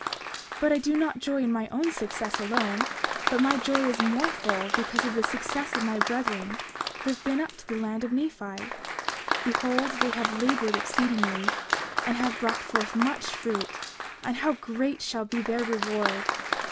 29:14 But I do not joy in my own success alone, but my joy is more full because of the success of my brethren, who have been up to the land of Nephi. 29:15 Behold, they have labored exceedingly, and have brought forth much fruit; and how great shall be their reward!